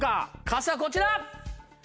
傘こちら！